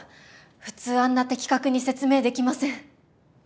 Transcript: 普通あんな的確に説明できません。